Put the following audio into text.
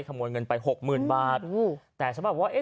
ขโมยเงินไปหกหมื่นบาทแต่ชาวบ้านบอกว่าเอ๊ะ